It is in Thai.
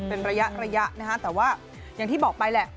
เป็นระยะระยะนะฮะแต่ว่าอย่างที่บอกไปแหละ